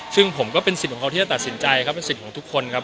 ซึ่งผมก็เป็นสิทธิ์ของเขาที่จะตัดสินใจครับเป็นสิทธิ์ของทุกคนครับ